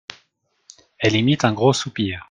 Elle imite un gros soupir.